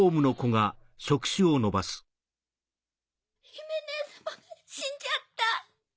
姫ねえ様が死んじゃった。